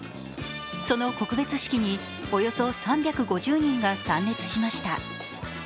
その告別式に、およそ３５０人が参列しました。